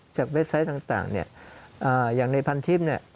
จากเว็บไซต์ต่างอย่างในพันทิศ